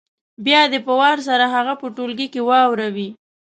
بیا دې په وار سره هغه په ټولګي کې واوروي